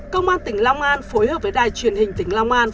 công an tỉnh long an phối hợp với đài truyền hình tỉnh long an